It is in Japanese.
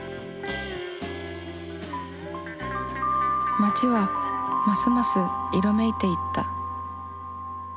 街はますます色めいていった。